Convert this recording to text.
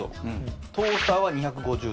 トースターは２５０度。